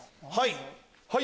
はい！